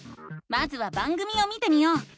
まずは番組を見てみよう！